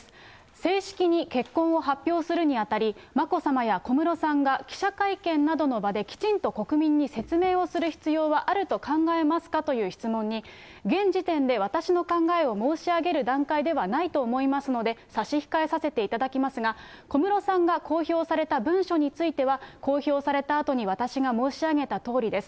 正式に結婚を発表するにあたり、眞子さまや小室さんが記者会見などの場できちんと国民に説明をする必要はあると考えますかという質問に、現時点で私の考えを申し上げる段階ではないと思いますので、差し控えさせていただきますが、小室さんが公表された文書については、公表されたあとに私が申し上げたとおりです。